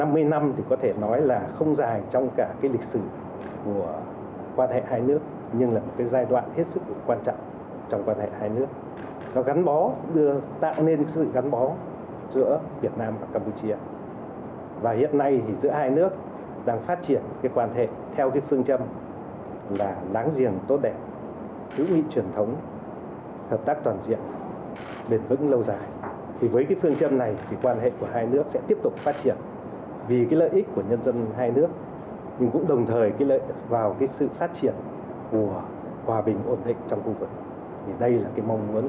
bên cạnh đó các vấn đề tổ chức của hai nước đã gần hết và hiện nay giữa hai nước đang phát triển quan hệ theo phương châm là láng giềng tốt đẹp thú vị truyền thống hợp tác toàn diện bền vững lâu dài với phương châm này quan hệ của hai nước sẽ tiếp tục phát triển vì lợi ích của nhân dân hai nước nhưng cũng đồng thời lợi ích vào sự phát triển của hòa bình ổn định trong khu vực đây là mong muốn của cả hai nước trong thiết lập quan hệ ngoại giao giữa hai nước